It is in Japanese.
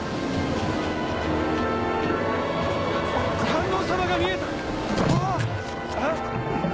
観音様が見えた！